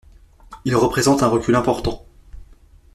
Il représente un recul important.